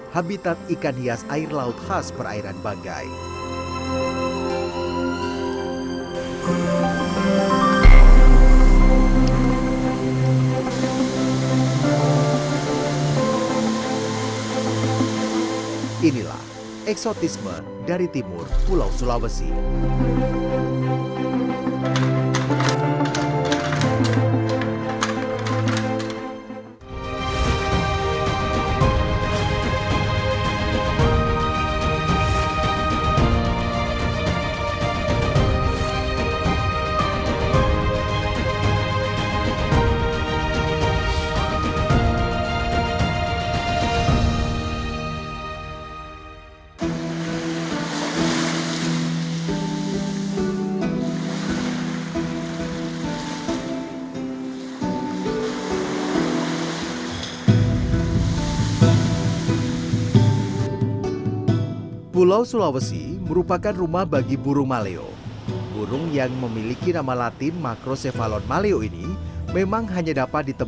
habitat ikan hias air laut khas perairan banggai